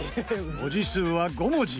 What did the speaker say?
文字数は５文字。